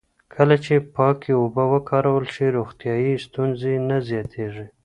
کله چې پاکې اوبه وکارول شي، روغتیایي ستونزې نه زیاتېږي.